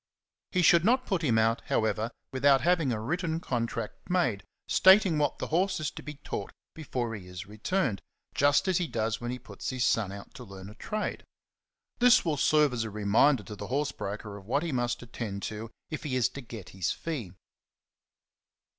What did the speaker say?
He should not put him out, however, without having a written contract made, stating what the horse is to be taught before he is returned, just as he does when he puts his son out to learn a trade. This will serve as a reminder to the horse breaker of what he must attend to, if he is to get his fee.